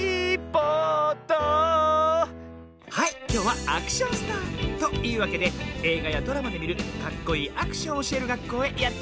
はいきょうはアクションスター！というわけでえいがやドラマでみるかっこいいアクションをおしえるがっこうへやってきたの。